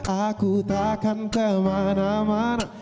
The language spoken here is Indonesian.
aku takkan kemana mana